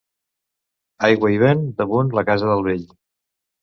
Aigua i vent damunt la casa del vell.